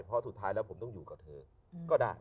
เพราะสุดท้ายแล้วผมต้องอยู่กับเธอก็ได้